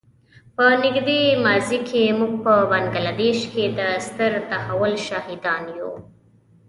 په نږدې ماضي کې موږ په بنګله دېش کې د ستر تحول شاهدان یو.